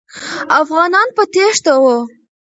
افغانان په تېښته وو.